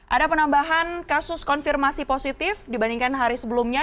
ada penambahan kasus konfirmasi positif dibandingkan hari sebelumnya